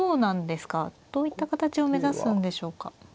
どういった形を目指すんでしょうか。